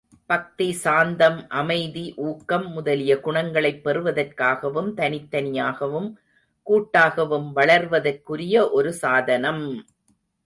பக்தி, சாந்தம், அமைதி ஊக்கம் முதலிய குணங்களைப் பெறுவதற்காகவும், தனித்தனியாகவும் கூட்டாகவும் வளர்வதற்குரிய ஒரு சாதனம்!